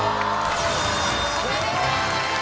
おめでとうございます。